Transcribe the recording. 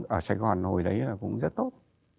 ở sài gòn hồi đấy là cũng rất tốt